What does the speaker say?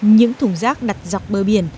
những thùng rác đặt dọc bờ biển